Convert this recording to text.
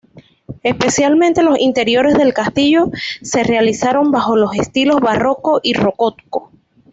Especialmente los interiores del castillo se realizaron bajo los estilos barroco y rococó.